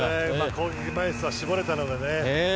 攻撃枚数は絞れたのでね。